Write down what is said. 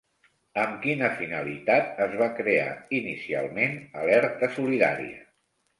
Amb quina finalitat es va crear inicialment Alerta Solidària?